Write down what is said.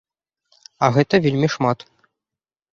А гэта вельмі шмат!